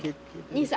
２歳。